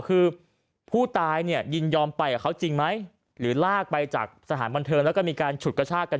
คือผู้ตายเนี่ยยินยอมไปกับเขาจริงไหมหรือลากไปจากสถานบันเทิงแล้วก็มีการฉุดกระชากกัน